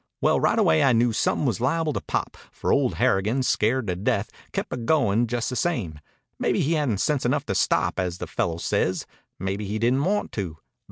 Well, rightaway I knew somethin' was liable to pop, for old Harrigan, scared to death, kep' a goin' just the same. Maybe he hadn't sense enough to stop, as the fellow says. Maybe he didn't want to.